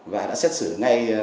và đã xét xử ngay